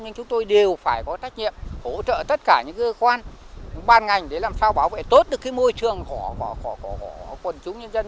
nhưng chúng tôi đều phải có trách nhiệm hỗ trợ tất cả những cơ quan ban ngành để làm sao bảo vệ tốt được cái môi trường của quần chúng nhân dân